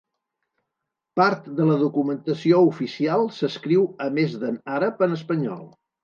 Part de la documentació oficial s'escriu a més d'en àrab, en espanyol.